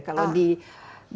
kalau di bagian